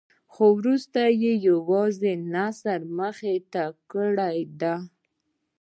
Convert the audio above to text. خو وروسته یې یوازې نثر ته مخه کړې ده.